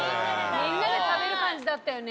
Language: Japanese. みんなで食べる感じだったよね